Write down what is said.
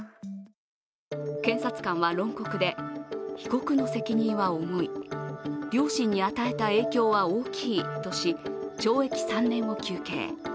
検察官は論告で、被告の責任は重い、両親に与えた影響は大きいとし懲役３年を求刑。